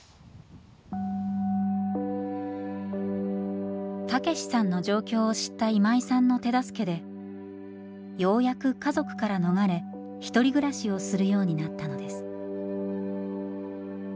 その時にたけしさんの状況を知った今井さんの手助けでようやく家族から逃れ一人暮らしをするようになったのです。